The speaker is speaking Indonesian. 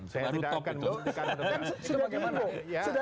saya tidak akan mengundang undang